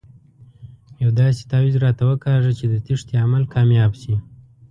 یو داسې تاویز راته وکاږه چې د تېښتې عمل کامیاب شي.